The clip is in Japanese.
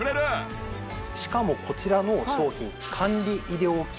しかもこちらの商品。